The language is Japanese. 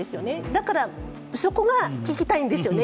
だからそこが聞きたいんですよね。